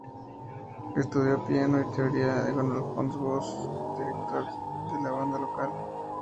Estudió piano y teoría con Alphonse Voss, director de la banda local.